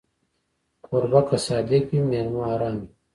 کوربه که صادق وي، مېلمه ارام وي.